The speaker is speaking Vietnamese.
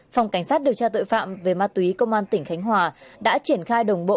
phòng cảnh sát điều tra tội phạm về ma túy công an tỉnh khánh hòa đã triển khai đồng bộ